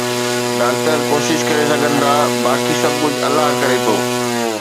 doctor ڪوشش ڪري سگھن ٿا، باقي سڀ ڪجھ الله ڪري ٿو